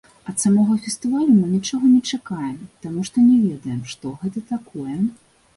Ад самога фестывалю мы нічога не чакаем, таму што не ведаем, што гэта такое.